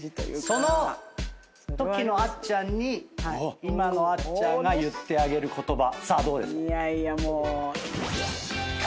そのときのあっちゃんに今のあっちゃんが言ってあげる言葉。